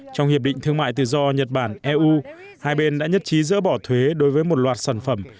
trong hiệp định thương mại tự do nhật bản eu hai bên đã nhất trí dỡ bỏ thuế đối với một loạt sản phẩm